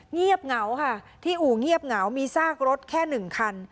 เงียบเหงาค่ะที่อู่เงียบเหงามีซากรถแค่หนึ่งคัน